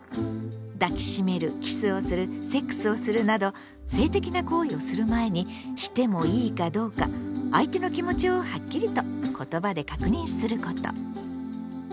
抱き締めるキスをするセックスをするなど性的な行為をする前にしてもいいかどうか相手の気持ちをはっきりとことばで確認すること。